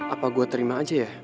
apa gue terima aja ya